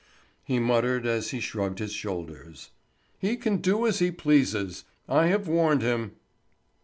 He muttered, as he shrugged his shoulders. "He can do as he pleases. I have warned him."